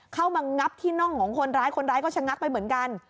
งับที่น่องของคนร้ายคนร้ายก็ชะงักไปเหมือนกัน